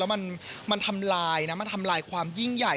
มันทำลายนะมันทำลายความยิ่งใหญ่